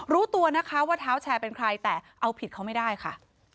รู้ตัวนะคะว่าเท้าแชร์เป็นใครแต่เอาผิดเขาไม่ได้ค่ะ